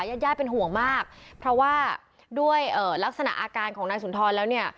ญาติญาติเป็นห่วงมากเพราะว่าด้วยลักษณะอาการของนายสุนทรแล้วเนี่ย